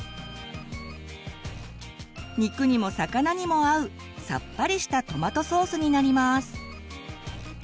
肉にも魚にも合うさっぱりしたトマトソースになります。